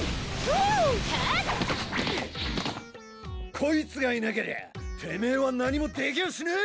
コイツがいなけりゃてめぇは何もできやしねえ。